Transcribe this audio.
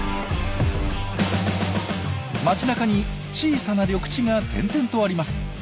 街なかに小さな緑地が点々とあります。